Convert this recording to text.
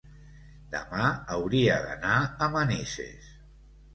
Demà hauria d'anar a Manises.